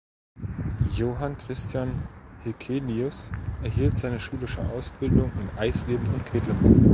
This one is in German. Johann Christian Hekelius erhielt seine schulische Ausbildung in Eisleben und Quedlinburg.